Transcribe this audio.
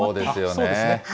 そうですよね。